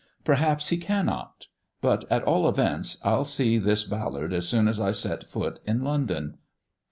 Perhaps he cannot; but at all events I'll see this Ballard as soon as I set foot in London.